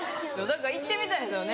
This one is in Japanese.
行ってみたいんですよね。